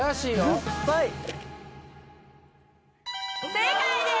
正解です！